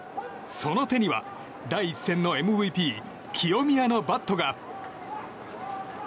その手には第１戦のＭＶＰ清宮のバットが。